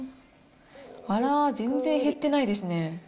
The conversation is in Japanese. あら、全然減ってないですね。